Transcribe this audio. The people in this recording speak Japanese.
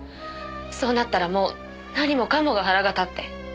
そうなったらもう何もかもが腹が立って。